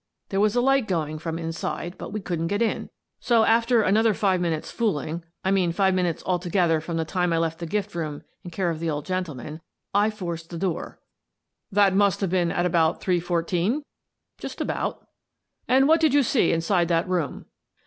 There was a light go ing from inside, but we couldn't get in. So, after another five minutes' fooling — I mean five minutes altogether from the time I left the gift room in care of the old gentleman — I forced the door/' 172 Miss Frances Baird, Detective " That must have been at about three fourteen? "" Just about" " And what did you see inside that room?